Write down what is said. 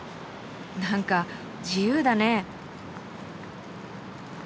なんか自由だね。